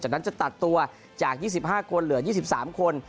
จากนั้นจะตัดตัวจาก๒๕คนเหลือ๒๓คน